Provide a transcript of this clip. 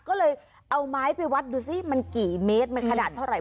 ก็เลยเอาไม้ไปวัดดูสิมันกี่เมตรมันขนาดเท่าไหร